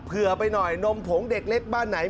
เผื่อไปหน่อยนมผงเด็กเล็กบ้านไหน